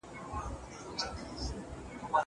مړۍ وخوره.